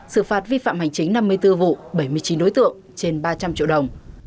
xử phạt vi phạm hành chính năm mươi bốn vụ bảy mươi chín đối tượng trên ba trăm linh triệu đồng